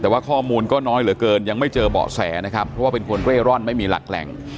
แต่ว่าข้อมูลก็น้อยเหลือเกินยังไม่เจอเบาะแสนะครับเพราะว่าเป็นคนเร่ร่อนไม่มีหลักแหล่ง